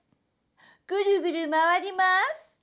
ぐるぐるまわりまーす。